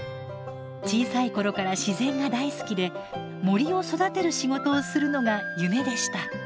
小さい頃から自然が大好きで森を育てる仕事をするのが夢でした。